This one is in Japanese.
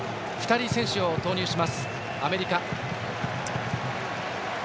２人の選手を投入しますアメリカ。